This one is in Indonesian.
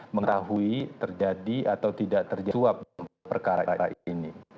mengetahui terjadi atau tidak terjadi suap perkaranya ini